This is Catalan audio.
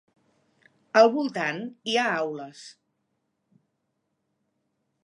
Al voltant hi ha aules.